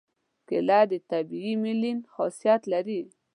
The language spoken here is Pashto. کېله د طبیعي ملین خاصیت لري.